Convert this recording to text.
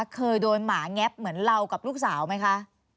เคยโดนหมาแง๊บเหมือนเรากับลูกสาวไหมคะ